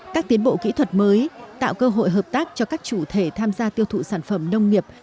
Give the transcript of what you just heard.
các tiến bộ kỹ thuật mới tạo cơ hội hợp tác cho các chủ thể tham gia tiêu thụ sản phẩm nông nghiệp